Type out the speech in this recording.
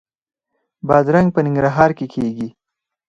بادرنګ په ننګرهار کې کیږي